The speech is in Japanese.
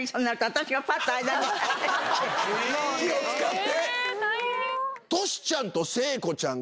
気を使って？